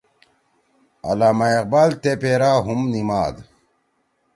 علامہ اقبال تے پیرا ہُم نیِماد